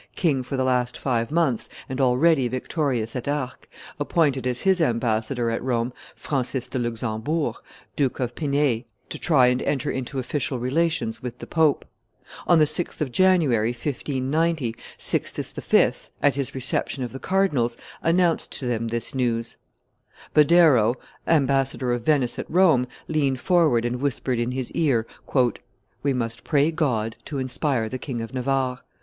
king for the last five months and already victorious at Arques, appointed as his ambassador at Rome Francis de Luxembourg, Duke of Pinei, to try and enter into official relations with the pope. On the 6th of January, 1590, Sixtus V., at his reception of the cardinals, announced to them this news. Badoero, ambassador of Venice at Rome, leaned forward and whispered in his ear, "We must pray God to inspire the King of Navarre.